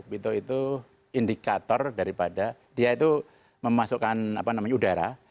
pito itu indikator daripada dia itu memasukkan udara